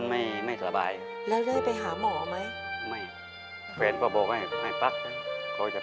แล้วทำไมเราไม่พักละครับ